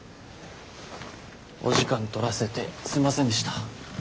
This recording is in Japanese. お時間取らせてすんませんでした。